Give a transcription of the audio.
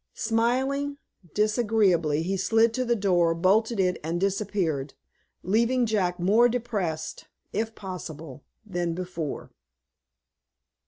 Smiling disagreeably he slid to the door, bolted it, and disappeared, leaving Jack more depressed, if possible, than before.